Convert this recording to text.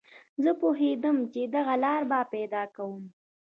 زه پوهېدم چې دغه لاره به پیدا کوم